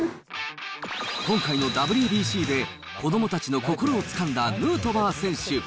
今回のＷＢＣで、子どもたちの心をつかんだヌートバー選手。